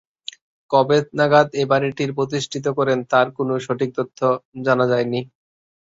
কবে নাগাদ এই বাড়িটি প্রতিষ্ঠিত করেন তার কোনো সঠিক তথ্য জানা যায়নি।